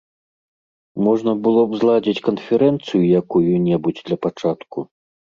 Можна было б зладзіць канферэнцыю якую-небудзь для пачатку.